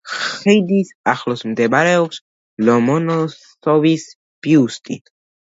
ხიდის ახლოს მდებარეობს ლომონოსოვის ბიუსტი.